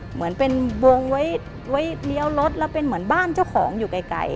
เหมือนเป็นวงไว้เลี้ยวรถแล้วเป็นเหมือนบ้านเจ้าของอยู่ไกล